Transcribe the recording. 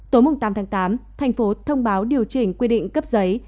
tối tám tháng tám thành phố thông báo điều chỉnh quy định cấp giấy